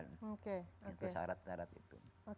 untuk syarat syarat itu